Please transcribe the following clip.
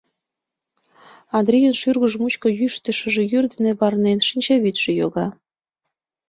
Андрийын шӱргыж мучко, йӱштӧ шыже йӱр дене варнен, шинчавӱдшӧ йога.